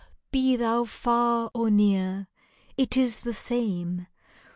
be thou far or near, it is the same